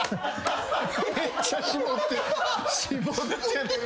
めっちゃ絞ってる。